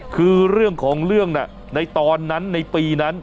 คือเรื่องของเรื่องน่ะในตอนนั้นในปีนั้น